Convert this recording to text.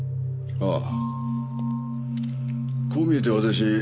ああ。